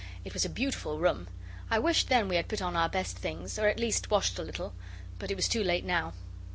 It was a beautiful room. I wished then we had put on our best things, or at least washed a little. But it was too late now.